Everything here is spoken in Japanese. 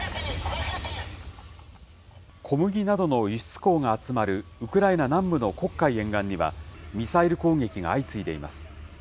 小麦などの輸出港が集まるウクライナ南部の黒海沿岸には、ミサイル攻撃が相次いでいます。